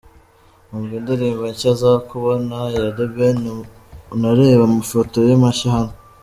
Umva indirimbo nshya Nzakubona ya The Ben unarebe amafoto ye mashya hano :.